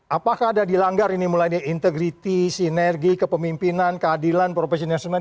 apakah ada dilanggar ini mulai dari integriti sinergi kepemimpinan keadilan profesionalisme